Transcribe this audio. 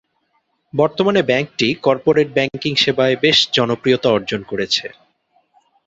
বর্তমানে ব্যাংকটি corporate banking সেবায় বেশ জনপ্রিয়তা অর্জন করেছে।